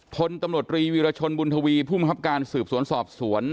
พลตำรวจรีวีรชนบุญทวีผู้มังคับการสืบสวนสอบสวน